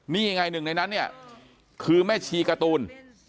นี่ไงหนึ่งในนั้นเนี่ยคือแม่ชีการ์ตูน